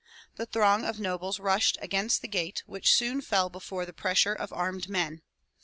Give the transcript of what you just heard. The throng of nobles rushed against the gate, which soon fell before the pressure of armed men.